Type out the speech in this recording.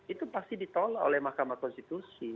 itu pasti ditolak oleh mahkamah konstitusi